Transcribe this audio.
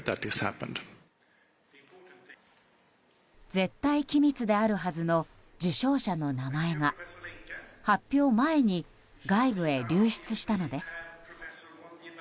絶対機密であるはずの受賞者の名前が発表前に外部へ流出したのです。